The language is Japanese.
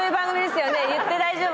言って大丈夫。